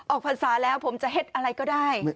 ออกภังสมาแล้วผมจะเห็ดอะไรก็ได้